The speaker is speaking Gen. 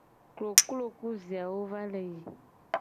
Koklo ku viawo va le yi.